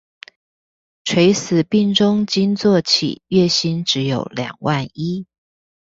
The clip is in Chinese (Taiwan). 垂死病中驚坐起，月薪只有兩萬一